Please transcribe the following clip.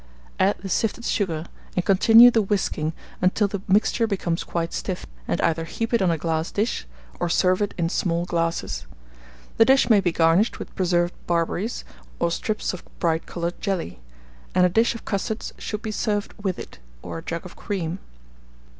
Add the sifted sugar, and continue the whisking until the mixture becomes quite stiff; and either heap it on a glass dish, or serve it in small glasses. The dish may be garnished with preserved barberries, or strips of bright coloured jelly; and a dish of custards should be served with it, or a jug of cream.